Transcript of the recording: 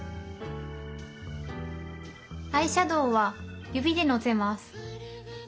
アイシャドーは指でのせます。